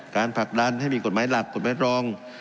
ผลักดันให้มีกฎหมายหลักกฎหมายรอง